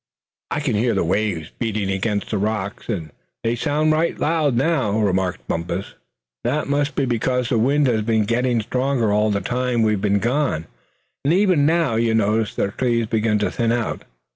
"I can hear the waves beating against the rocks, and they sound right loud now," remarked Bumpus. "That must be because the wind has been getting stronger all the time we've been gone; and even now you notice the trees begin to thin out.